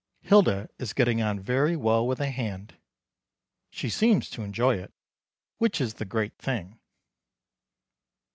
Hilda is getting on very well with the hand. She seems to enjoy it, which is the great thing.